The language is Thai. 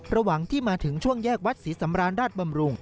ระหว่างที่มาถึงช่วงแยกวัดศรีสำราญราชบำรุง